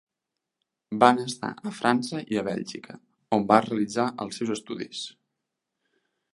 Van estar a França i a Bèlgica, on va realitzar els seus estudis.